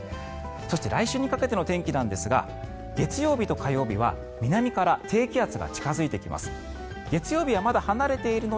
そして、来週にかけての天気ですが月曜日から木曜日は低気圧が近付いています。